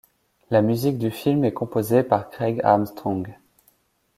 La musique du film est composée par Craig Armstrong.